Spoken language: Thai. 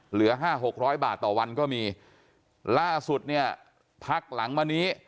เหลือห้าหกร้อยบาทต่อวันก็มีล่าสุดเนี่ยพักหลังมานี้